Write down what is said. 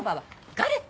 ガレット？